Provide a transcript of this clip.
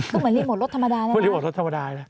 ตรงไหนรีโมทรถธรรมดานะครับตรงรีโมทรธธรรมดาแหละ